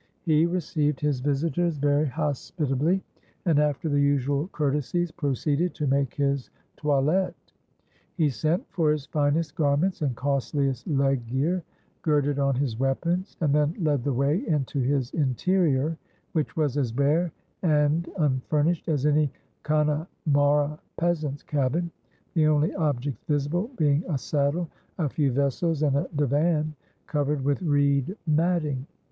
He received his visitors very hospitably, and after the usual courtesies proceeded to make his toilette. He sent for his finest garments and costliest "leg gear," girded on his weapons, and then led the way into his "interior," which was as bare and unfurnished as any Connemara peasant's cabin, the only objects visible being a saddle, a few vessels, and a divan covered with reed matting.